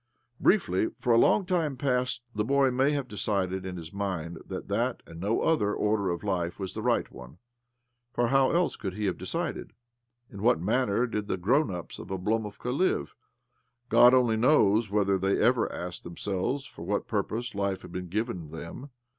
Briefly, for a long time past the boy may have decided in his mind that that, and no other, order of life was the right one. For how else could he have decided? In what manner did the " grown ups " of Oblomovka live ? God only knows whether they ever asked themselves ( for what purpose life had been given them.